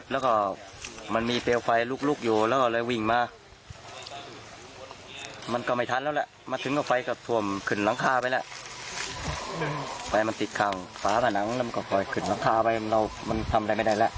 แล้วก็ไปขังหลังมันก็จะมีช่องพอดึงแต่ว่าดึงออกมาไปสองแผนมากกว่าดานอ่ะ